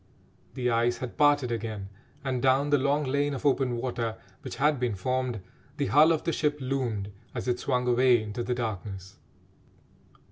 The ice had parted again, and, down the long lane of open water which had been formed, the hull of the ship loomed as it swung away into the darkness.